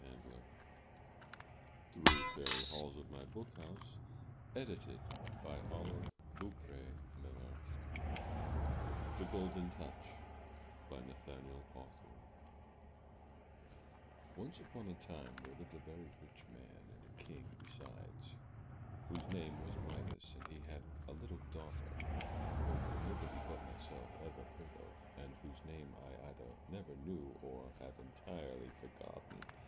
And laugh as I pass in thunder. 273 M Y BOOK H O U S E THE GOLDEN TOUCH Nathaniel Hawthorne Once upon a time, there lived a very rich man, and a king besides, whose name was Midas; and he had a little daughter, whom nobody but myself ever heard of, and whose name I either never knew, or have entirely forgotten.